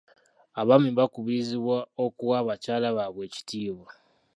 Abaami baakubirizibwa okuwa bakyala baabwe ekitiibwa.